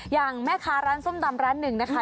อย่างแม่ค้าร้านส้มตำร้านหนึ่งนะคะ